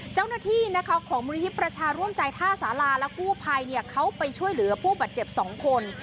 เจ้าหน้าที่ของมูลนิธิประชาร่วมใจท่าสาราและกู้ภัยเขาไปช่วยเหลือผู้บาดเจ็บ๒คน